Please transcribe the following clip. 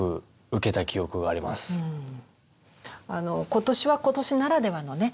今年は今年ならではのね